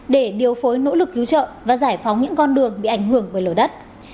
để điều phối nỗ lực cứu trợ và giải phóng những con đường bị ảnh hưởng bởi lở đất